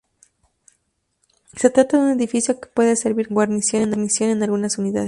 Se trata de un edificio que puede servir como guarnición en algunas unidades.